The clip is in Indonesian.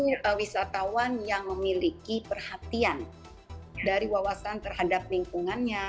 untuk wisatawan yang memiliki perhatian dari wawasan terhadap lingkungannya